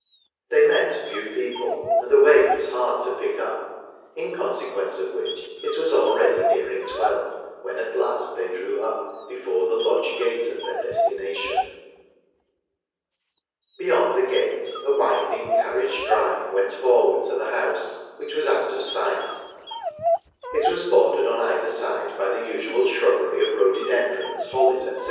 They met few people, and the way was hard to pick up, in consequence of which it was already nearing twelve when at last they drew up before the lodge gate at their destination. Beyond the gate a winding carriage drive went forward to the house, which was out of sight; it was bordered on either side by the usual shrubbery of rhododendrons, hollies, etc.